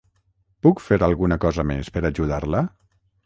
Puc fer alguna cosa més per ajudar-la?